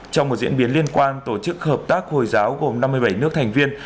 trong một diễn biến liên quan tổ chức hợp tác hồi giáo gồm năm mươi bảy nước thành viên